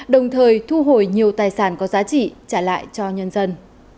đồng thời thu hồi nhiều tài sản có giá trị trả lại cho nhân dân